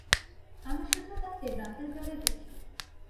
আমি শুধু তাকে রাতেরবেলায় দেখি।